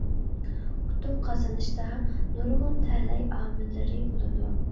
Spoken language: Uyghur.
ئۇتۇق قازىنىشتا نۇرغۇن تەلەي ئامىللىرى بولىدۇ.